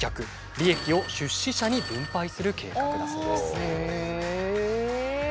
利益を出資者に分配する計画だそうです。